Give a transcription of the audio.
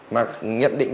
mà nhận định